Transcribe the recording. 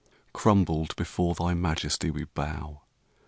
Crumbled before thy majesty we bow.